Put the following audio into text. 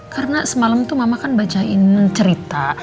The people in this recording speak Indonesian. karena semalam tuh mama kan bacain cerita